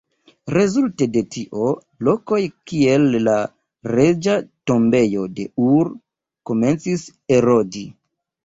Rezulte de tio, lokoj kiel la Reĝa Tombejo de Ur, komencis erodi.